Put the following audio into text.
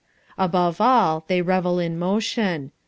Above all they revel in motion.